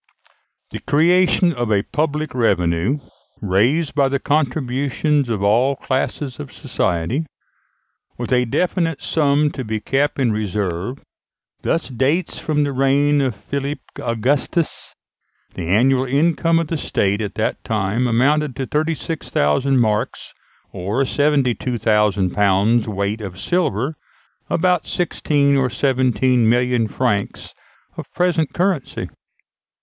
The creation of a public revenue, raised by the contributions of all classes of society, with a definite sum to be kept in reserve, thus dates from the reign of Philip Augustus. The annual income of the State at that time amounted to 36,000 marks, or 72,000 pounds' weight of silver about sixteen or seventeen million francs of present currency.